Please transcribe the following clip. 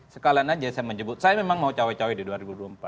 sekalian aja saya menyebut saya memang mau cawe cawe di dua ribu dua puluh empat